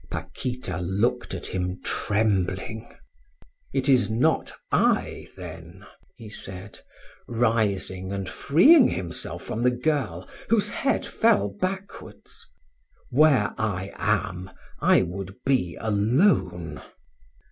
Paquita looked at him trembling. "It is not I, then?" he said, rising and freeing himself from the girl, whose head fell backwards. "Where I am, I would be alone."